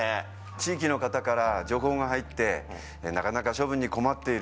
地域の方から情報が入ってなかなか処分に困っている。